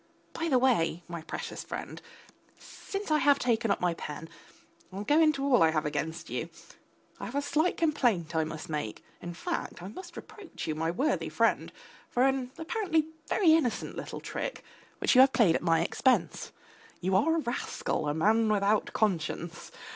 By the way, my precious friend since I have taken up my pen I'll go into all I have against you I have a slight complaint I must make; in fact, I must reproach you, my worthy friend, for an apparently very innocent little trick which you have played at my expense.... You are a rascal, a man without conscience.